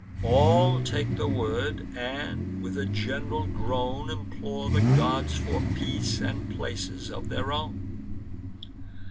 All take the word, and, with a gen'ral groan, Implore the gods for peace, and places of their own.